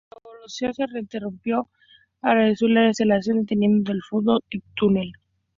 La evolución se interrumpió al reducir la aceleración, deteniendo el efecto túnel.